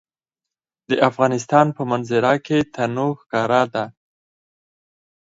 د افغانستان په منظره کې تنوع ښکاره ده.